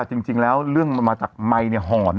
จริงแล้วเรื่องมาจากไมค์เนี่ยหอน